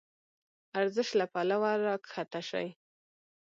ارزش له پلوه راکښته شي.